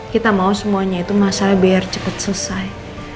kita mau semuanya itu masalah biar cepat selesai